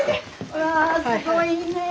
うわすごいねえ！